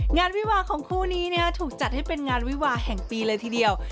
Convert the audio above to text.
วิวาของคู่นี้ถูกจัดให้เป็นงานวิวาแห่งปีเลยทีเดียว